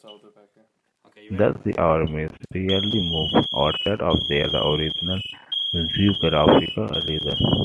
Thus, the armies rarely moved outside of their original geographic region.